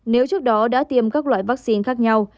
nếu trước đó đã tiêm các loại vắc xin khác nhau